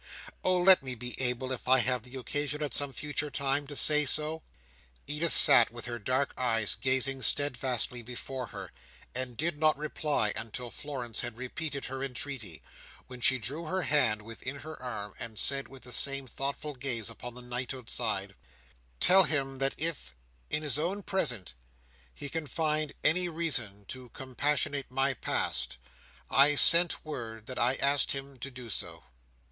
"Oh! let me be able, if I have the occasion at some future time, to say so?" Edith sat with her dark eyes gazing steadfastly before her, and did not reply until Florence had repeated her entreaty; when she drew her hand within her arm, and said, with the same thoughtful gaze upon the night outside: "Tell him that if, in his own present, he can find any reason to compassionate my past, I sent word that I asked him to do so.